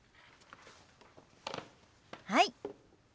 はい。